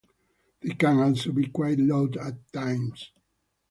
They can also be quite loud at times.